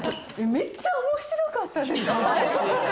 めっちゃ面白かったです！